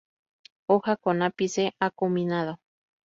Hoja con ápice acuminado.